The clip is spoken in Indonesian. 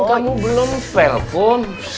kan kamu belum pel kum